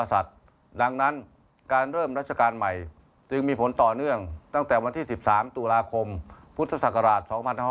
ดังนั้นการเริ่มราชการใหม่จึงมีผลต่อเนื่องตั้งแต่วันที่๑๓ตุลาคมพุทธศักราช๒๕๖๐